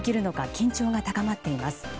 緊張が高まっています。